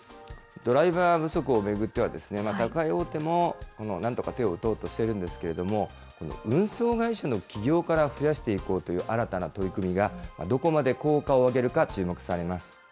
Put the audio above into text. ドライバー不足を巡っては、宅配大手もなんとか手を打とうとしてるんですけれども、運送会社の起業から増やしていこうという新たな取り組みが、どこまで効果を上げるか注目されます。